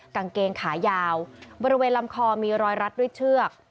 กางเกงขายาวบริเวณลำคอมีรอยรัดด้วยเชือก